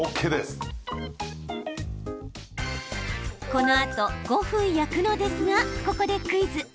このあと５分焼くのですがここでクイズ！